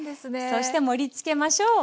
そして盛りつけましょう！